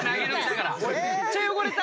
俺めっちゃ汚れた！